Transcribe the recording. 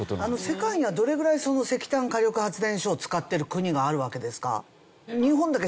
世界にはどれぐらい石炭火力発電所を使ってる国があるわけですか？